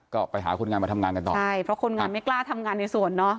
ก็ไปหาคนงานมาทำงานกันต่อใช่เพราะคนงานไม่กล้าทำงานในสวนเนอะ